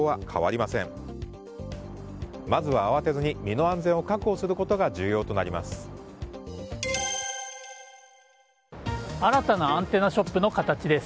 まず慌てずに身の安全を確保することが重要となります。